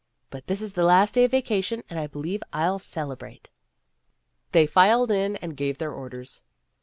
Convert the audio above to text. "But this is the last day of vacation and I believe I'll celebrate." They filed in and gave their orders.